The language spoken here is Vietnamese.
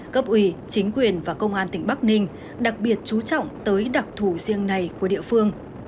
cấp ủy chính quyền và công an tỉnh bắc ninh đặc biệt chú trọng tới đặc thù riêng này của địa phương